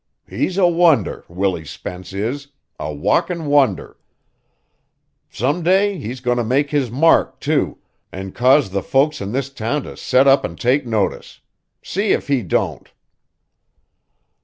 He's a wonder, Willie Spence is a walkin' wonder! Some day he's goin' to make his mark, too, an' cause the folks in this town to set up an' take notice. See if he don't."